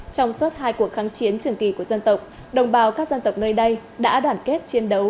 trong suốt hai cuộc kháng chiến trường kỳ của dân tộc đồng bào các dân tộc nơi đây đã đoàn kết chiến đấu